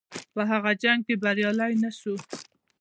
په هغه جنګ کې بریالی نه شو.